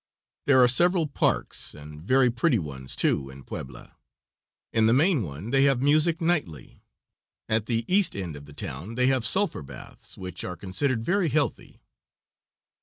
There are several parks, and very pretty ones, too, in Puebla. In the main one they have music nightly. At the east end of the town they have sulphur baths, which are considered very healthy.